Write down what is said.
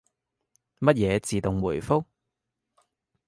乜嘢自動回覆？